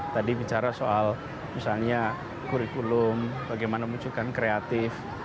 tadi bicara soal misalnya kurikulum bagaimana mewujudkan kreatif